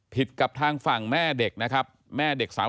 กับทางฝั่งแม่เด็กนะครับแม่เด็กสาว